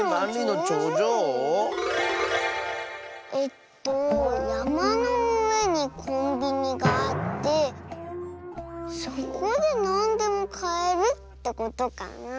えっとやまのうえにコンビニがあってそこでなんでもかえるってことかなあ。